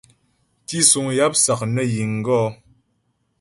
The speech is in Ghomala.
Tísuŋ yáp sák nə ghíŋ gɔ̌.